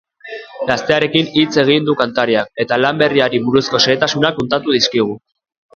Gaztearekin hitz egin du kantariak eta lan berriari buruzko xehetasunak kontatu dizkigu.